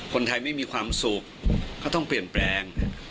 คนไทยไม่มีความสุขก็ต้องเปลี่ยนแปลง